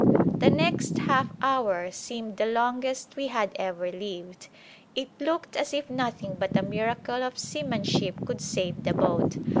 The next half hour seemed the longest we had ever lived. It looked as if nothing but a miracle of seamanship could save the boat.